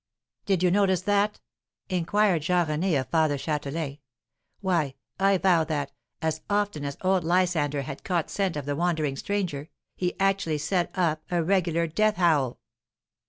"Did you notice that?" inquired Jean René of Father Châtelain. "Why, I vow that, as often as old Lysander had caught scent of the wandering stranger, he actually set up a regular death howl."